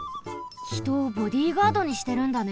ひとをボディーガードにしてるんだね。